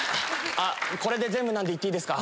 これで全部なんで行っていいですか？